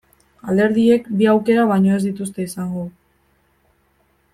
Alderdiek bi aukera baino ez dituzte izango.